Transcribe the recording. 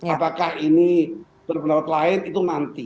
apakah ini berpendapat lain itu nanti